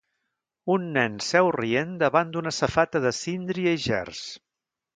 Un nen seu rient davant d'una safata de síndria i gerds.